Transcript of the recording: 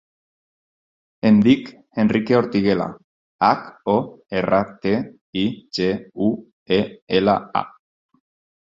Em dic Enrique Hortiguela: hac, o, erra, te, i, ge, u, e, ela, a.